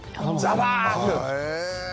ザバーッ！